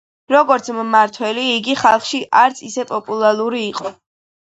როგორც მმართველი, იგი ხალხში არც ისე პოპულარული იყო.